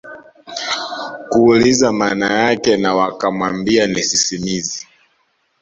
kuuliza maana yake na wakamwambia ni sisimizi